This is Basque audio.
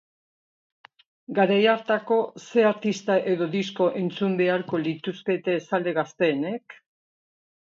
Garai hartako zer artista edo disko entzun beharko lituzkete zale gazteenek?